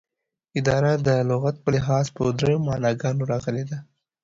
اداره دلغت په لحاظ په دریو معناګانو راغلې ده